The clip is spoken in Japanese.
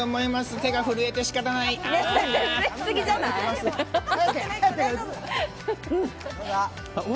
手が震えてしかたない。